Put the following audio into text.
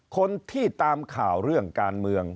คนที่ตามข่าวเรื่องการเมือง